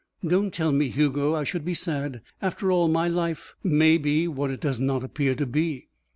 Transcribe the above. "Don't tell me, Hugo. I should be sad. After all, my life " "May be what it does not appear to be."